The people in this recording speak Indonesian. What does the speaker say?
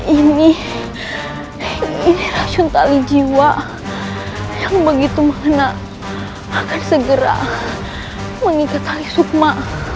ini ini racun tali jiwa yang begitu mengena akan segera mengikat tali sukma